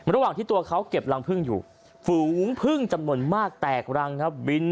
ระหว่างที่ตัวเขาเก็บรังพึ่งอยู่ฝูงพึ่งจำนวนมากแตกรังครับ